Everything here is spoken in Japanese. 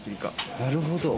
なるほど。